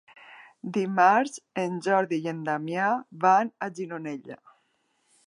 Dimarts en Jordi i en Damià van a Gironella.